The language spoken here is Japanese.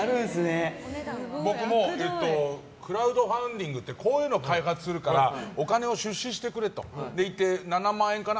僕もクラウドファンディングでこういうの開発するからお金を出資してくれといって７万円かな？